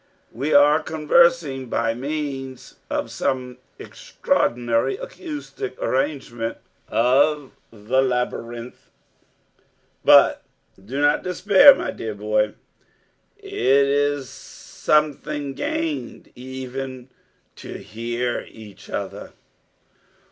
We are conversing by means of some extraordinary acoustic arrangement of the labyrinth. But do not despair, my dear boy. It is something gained even to hear each other."